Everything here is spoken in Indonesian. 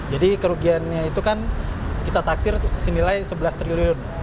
jadi kerugiannya itu kan kita taksir senilai sebelas triliun